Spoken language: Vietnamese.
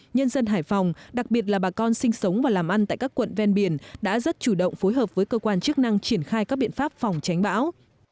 nhân dân hải phòng đặc biệt là bà con sinh sống và làm ăn tại các quận ven biển đã rất chủ động phối hợp với cơ quan chức năng triển khai các biện pháp phòng tránh bão